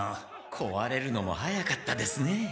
こわれるのも早かったですね。